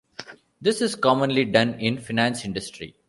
This is commonly done in the finance industry.